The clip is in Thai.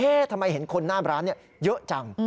ทำไมเห็นคนหน้าร้านเยอะจัง